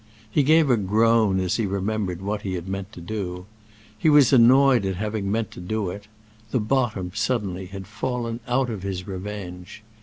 He gave a groan as he remembered what he had meant to do; he was annoyed at having meant to do it; the bottom, suddenly, had fallen out of his revenge.